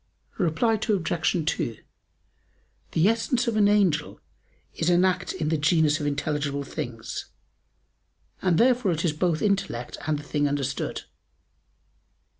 Reply Obj. 2: The essence of an angel is an act in the genus of intelligible things, and therefore it is both intellect and the thing understood.